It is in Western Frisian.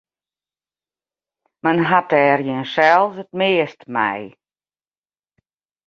Men hat der jinsels it meast mei.